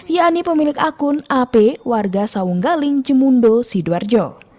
yakni pemilik akun ap warga sawunggaling jemundong